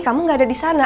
kamu gak ada di sana